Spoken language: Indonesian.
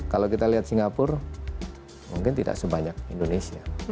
kalau kita lihat singapura mungkin tidak sebanyak indonesia